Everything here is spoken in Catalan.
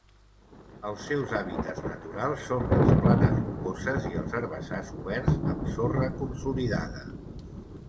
Els seus hàbitats naturals són les planes rocoses i els herbassars oberts amb sorra consolidada.